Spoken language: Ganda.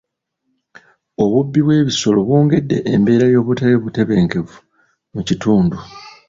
Obubbi bw'ebisolo bwongedde embeera y'obutali butebenkevu mu kitundu.